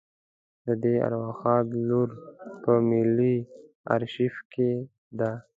د دې ارواښاد لور په ملي آرشیف کې ده.